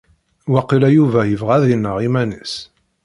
Waqila Yuba ibɣa ad ineɣ iman-is.